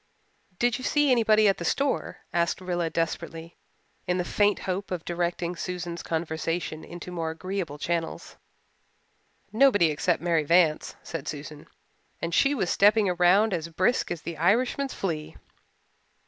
"Did you see anybody at the store?" asked Rilla desperately, in the faint hope of directing Susan's conversation into more agreeable channels. "Nobody except Mary Vance," said Susan, "and she was stepping round as brisk as the Irishman's flea."